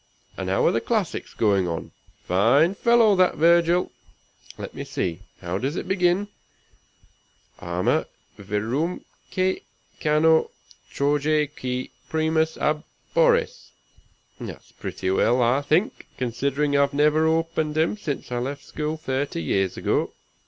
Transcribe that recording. and how are the classics going on? Fine fellow, that Virgil! Let me see, how does it begin? 'Arma, virumque cano, Trojae qui primus ab oris.' That's pretty well, I think, considering I've never opened him since I left school thirty years ago.